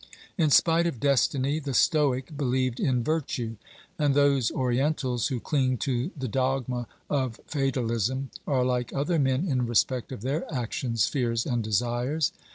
In spite of destiny, the stoic believed in virtue, and those orientals who cling to the dogma of fatal ism are like other men in respect of their actions, fears and desires.